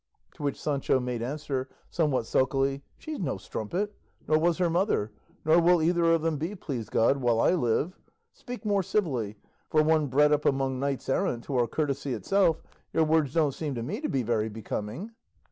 To which Sancho made answer, somewhat sulkily, "She's no strumpet, nor was her mother, nor will either of them be, please God, while I live; speak more civilly; for one bred up among knights errant, who are courtesy itself, your words don't seem to me to be very becoming."